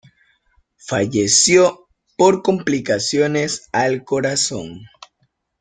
Falleció por complicaciones al corazón.